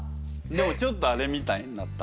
でもちょっとあれみたいになった。